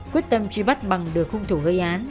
quyết tâm truy bắt bằng đường khung thủ gây án